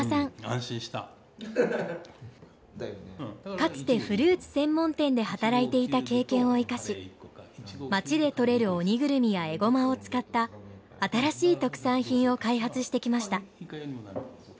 かつてフルーツ専門店で働いていた経験を生かし町で取れる鬼ぐるみやエゴマを使った新しい特産品を開発してきました。